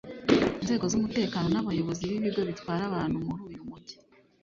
inzego z’umutekano n’abayobozi b’ibigo bitwara abantu muri uyu Mujyi